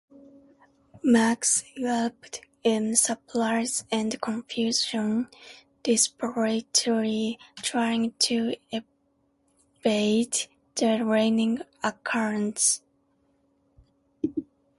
Max yelped in surprise and confusion, desperately trying to evade the raining acorns.